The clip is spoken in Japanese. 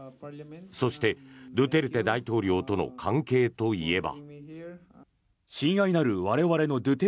そして、ドゥテルテ大統領との関係といえば。